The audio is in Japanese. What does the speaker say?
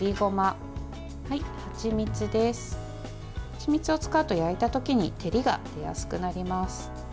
はちみつを使うと、焼いた時に照りが出やすくなります。